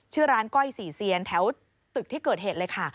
ชื่อร้านก้อยสี่เซียนแถวตึกที่เกิดเหตุเลยค่ะ